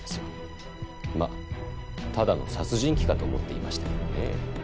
まあただの殺人鬼かと思っていましたけどね。